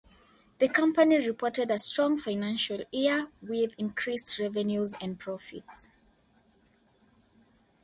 The company reported a strong financial year, with increased revenues and profits.